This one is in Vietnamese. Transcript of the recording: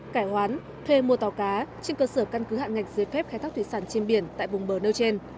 cải hoán thuê mua tàu cá trên cơ sở căn cứ hạn ngạch giấy phép khai thác thủy sản trên biển tại vùng bờ nêu trên